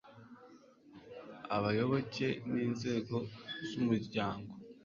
abayoboke n inzego z umuryango